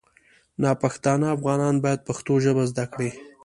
ناپښتانه افغانان باید پښتو ژبه زده کړي